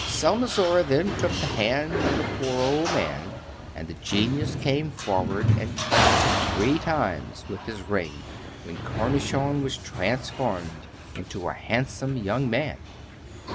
Selnozoura then took the hand of the poor old man, and the genius came forward and touched him three times with his ring, when Cornichon was transformed into a handsome young man.